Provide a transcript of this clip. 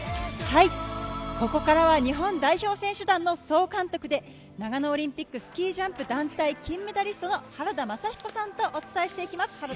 ここからは日本代表選手団の総監督で長野オリンピックスキージャンプ団体金メダリストの原田雅彦さんとお伝えします。